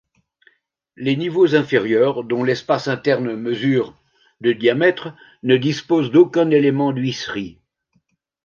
Les niveaux inférieurs, dont l'espace interne mesure de diamètre, ne disposent d'aucun élément d'huisserie.